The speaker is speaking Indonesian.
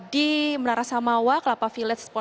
di menara samawa kelapa village